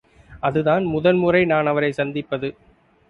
அதுதான் முதன் முன்ற நான் அவரைச் சந்திப்பது.